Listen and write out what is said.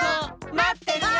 まってるよ！